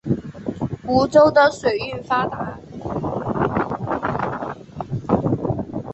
梧州的水运发达。